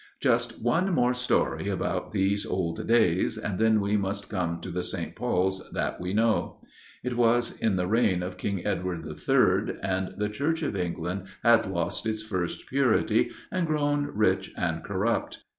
Just one more story about these old days, and then we must come to the St. Paul's that we know. It was in the reign of King Edward III., and the Church of England had lost its first purity, and grown rich and corrupt.